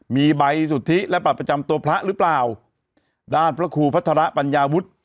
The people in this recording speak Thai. มีใบสุทธิและบัตรประจำตัวพระหรือเปล่าด้านพระครูพัฒระปัญญาวุฒิ